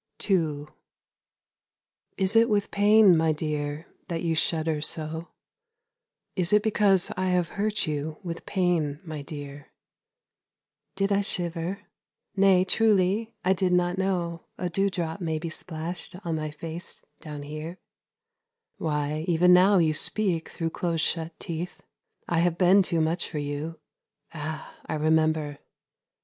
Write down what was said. II Is it with pain, my dear, that you shudder so? Is it because I have hurt you with pain, my dear? Did I shiver? Nay, truly I did not know A dewdrop may be splashed on my face down here. Why even now you speak through close shut teeth. I have been too much for you Ah, I remember!